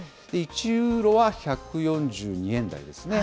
１ユーロは１４２円台ですね。